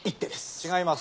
違います。